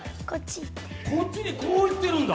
こっちに、こういってるんだ。